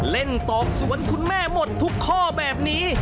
ตอกสวนคุณแม่หมดทุกข้อแบบนี้